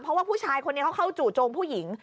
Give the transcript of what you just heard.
เพราะว่าผู้ชายคนนี้เขาเข้าจู่โจมผู้หญิง